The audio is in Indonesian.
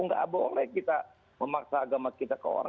nggak boleh kita memaksa agama kita ke orang